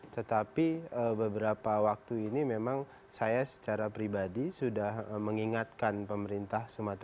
tetapi beberapa waktu ini memang saya secara pribadi sudah mengingatkan pemerintah sumatera